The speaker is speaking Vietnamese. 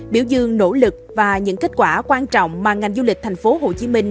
biểu dương nỗ lực và những kết quả quan trọng mà ngành du lịch thành phố hồ chí minh